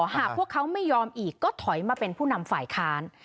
หากพวกเขาไม่ยอมอีกก็ถอยมาเป็นผู้นำฝ่ายค้าน